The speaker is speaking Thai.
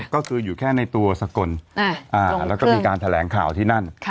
ก็คืออยู่แค่ในตัวสกลแล้วก็มีการแถลงข่าวที่นั่น